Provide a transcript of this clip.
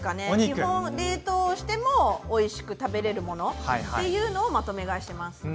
基本冷凍してもおいしく食べられるものをまとめ買いします。